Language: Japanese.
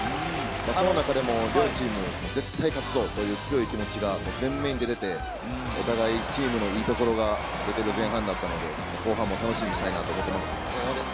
その中でも両チーム、絶対勝つという強い気持ちが前面に出ていて、お互いチームのいいところが出ている前半だったので、後半も楽しみにしたいなと思っています。